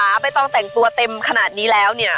บ่าแบขาไปต้องแต่งตัวเต็มขนาดนี้แล้วนี่